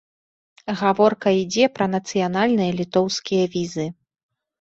Гаворка ідзе пра нацыянальныя літоўскія візы.